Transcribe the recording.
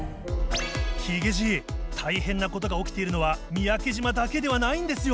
ヒゲじい大変なことが起きているのは三宅島だけではないんですよ。